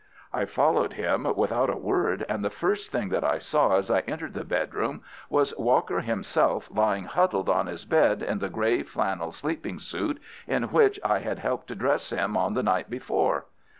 I followed him without a word, and the first thing that I saw as I entered the bedroom was Walker himself lying huddled on his bed in the grey flannel sleeping suit in which I had helped to dress him on the night before.